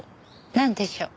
なんでしょう？